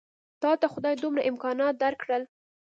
تاته خدای دومره امکانات درکړل.